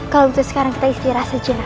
kalau misalnya sekarang kita istirahat sejenak